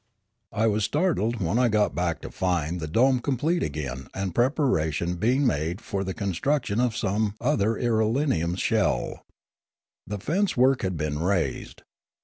I was startled when I got back to find the dome com plete again and preparation being made for construct ing some other irelium shell. The fence work had been raised.